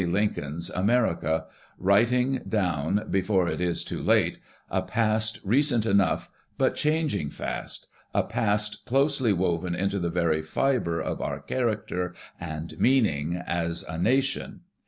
Lincoln's America," "writing down, before it is too late, a past recent enough, but changing fast, a past closely woven into the very fibre of our character and meaning as a nation.